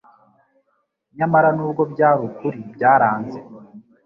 Nyamara nubwo byari ukuri byaranze